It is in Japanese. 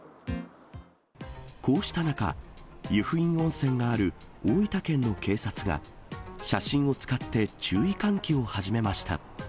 こうした中、湯布院温泉がある大分県の警察が、写真を使って注意喚起を始めました。